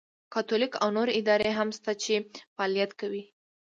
کاتولیک او نورې ادارې هم شته چې فعالیت کوي.